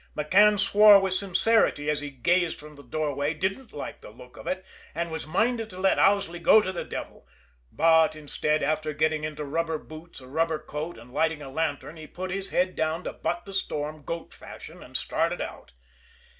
McCann swore with sincerity as he gazed from the doorway, didn't like the look of it, and was minded to let Owsley go to the devil; but, instead, after getting into rubber boots, a rubber coat, and lighting a lantern, he put his head down to butt the storm, goat fashion, and started out.